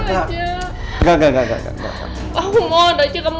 kamu jangan pergi raja di sini aja kamu